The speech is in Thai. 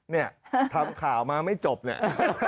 เนี่ยทำข่าวมาไม่จบเนี่ย